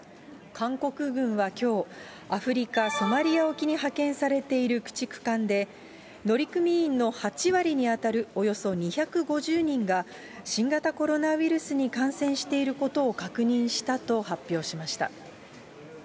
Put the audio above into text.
韓国軍はきょう、アフリカ・ソマリア沖に派遣されている駆逐艦で乗組員の８割に当たるおよそ２５０人が、新型コロナウイルスに感染していることを確認したと発表しました。